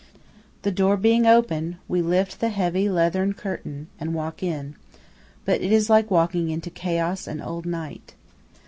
The door being open, we lift the heavy leathern curtain, and walk in; but it is like walking into "Chaos and old night."